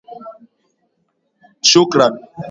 umuhimu wa viazi lishe